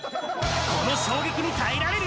この衝撃に耐えられる？